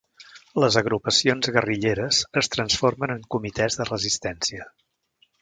Les Agrupacions Guerrilleres es transformen en Comitès de Resistència.